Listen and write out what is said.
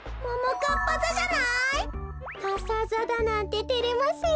かさざだなんててれますよ。